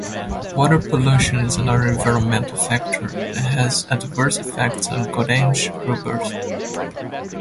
Water pollution is another environmental factor that has adverse effects on gorenje rubbers.